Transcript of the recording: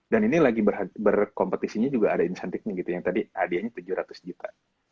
dan ini lagi berkompetisinya juga ada insanticnya gitu yang tadi hadiahnya tujuh ratus juta